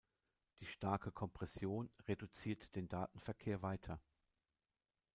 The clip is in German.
Die starke Kompression reduziert den Datenverkehr weiter.